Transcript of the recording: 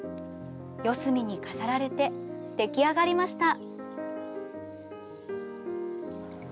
四隅に飾られて出来上がりました。